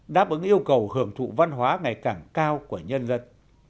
đáp ứng yêu cầu hưởng thụ văn hóa ngày càng cao của nhân dân